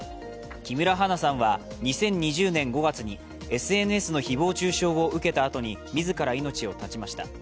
木村花さんは２０２０年５月にＳＮＳの誹謗中傷を受けたあとに自ら命を絶ちました。